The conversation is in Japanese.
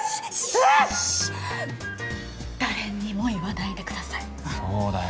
えっ誰にも言わないでくださいそうだよ